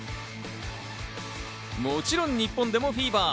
もちろん日本でもフィーバー。